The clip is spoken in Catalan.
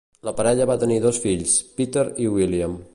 La parella va tenir dos fills, Peter i William.